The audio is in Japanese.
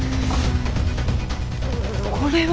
これは。